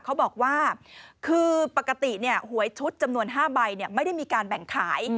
เขาบอกว่าคือปกติหวยชุดจำนวน๕ใบไม่ได้มีการแบ่งขาย